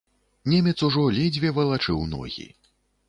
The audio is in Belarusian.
Немец ужо ледзьве валачыў ногі.